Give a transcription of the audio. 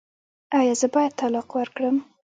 ایا زه باید طلاق ورکړم؟